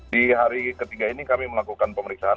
di hari ketiga ini kami melakukan pemeriksaan